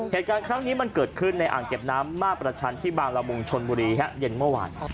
เหตุการณ์ครั้งนี้มันเกิดขึ้นในอ่างเก็บน้ำมาประชันที่บางละมุงชนบุรีฮะเย็นเมื่อวาน